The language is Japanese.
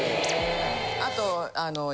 あと。